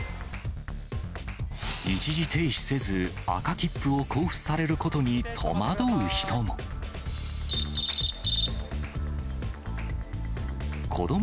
一時停止せず赤切符を交付されることに戸惑う人も。